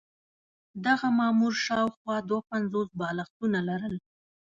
دغه مامور شاوخوا دوه پنځوس بالښتونه لرل.